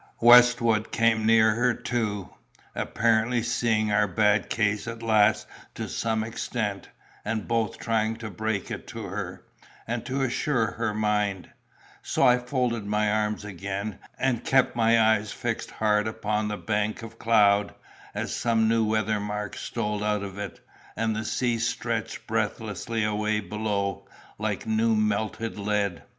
Westwood came near her, too, apparently seeing our bad case at last to some extent, and both trying to break it to her, and to assure her mind; so I folded my arms again, and kept my eyes fixed hard upon the bank of cloud, as some new weather mark stole out in it, and the sea stretched breathlessly away below, like new melted lead.